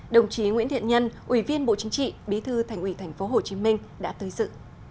đồng chí nguyễn thiện nhân ủy viên bộ chính trị bí thư thành ủy thành phố hồ chí minh đã tới dự